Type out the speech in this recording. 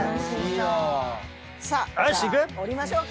じゃあ降りましょうか。